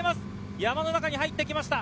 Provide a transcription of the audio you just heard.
山の中に入ってきました。